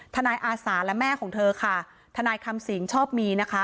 อาสาและแม่ของเธอค่ะทนายคำสิงชอบมีนะคะ